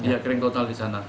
iya kering total di sana